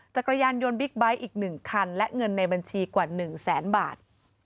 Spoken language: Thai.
จักรยานยนต์บิ๊กไบท์อีก๑คันและเงินในบัญชีกว่า๑แสนบาท